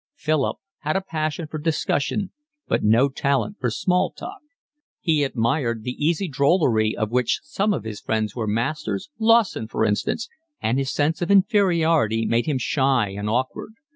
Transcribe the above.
Philip had a passion for discussion, but no talent for small talk. He admired the easy drollery of which some of his friends were masters, Lawson for instance, and his sense of inferiority made him shy and awkward.